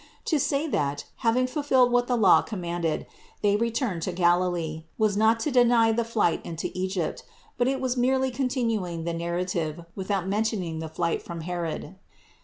To say that, having fulfilled what the law commanded, they re turned to Galilee, was not to deny the flight into Egypt, but it was merely continuing the narrative without men tioning the flight from Herod.